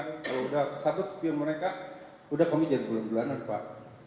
kalau sudah kesabut spion mereka sudah ke pinggir bulan bulanan pak